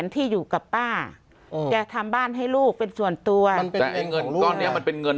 ที่อยู่กับป้าจะทำบ้านให้ลูกเป็นส่วนตัวตอนนี้มันเป็นเงิน